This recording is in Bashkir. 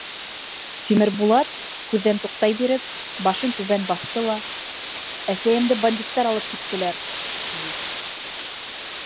— Тимербулат, һүҙҙән туҡтай биреп, башын түбән баҫты ла: — Әсәйемде бандиттар алып киттеләр, — тине.